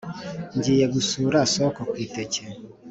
ngiye gusura soko ku iteke